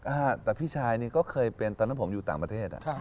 อ่าแต่พี่ชายนี่ก็เคยเป็นตอนนั้นผมอยู่ต่างประเทศ